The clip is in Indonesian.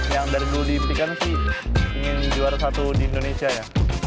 yang dari dulu dihentikan sih ingin juara satu di indonesia ya